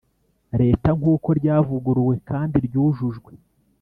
Leta nk uko ryavuguruwe kandi ryujujwe